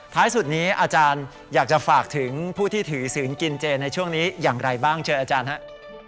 สุดนี้อาจารย์อยากจะฝากถึงผู้ที่ถือศีลกินเจในช่วงนี้อย่างไรบ้างเชิญอาจารย์ครับ